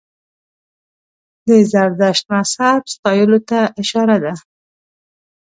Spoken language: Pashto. د زردشت مذهب ستایلو ته اشاره ده.